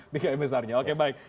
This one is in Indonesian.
bingkai besarnya oke baik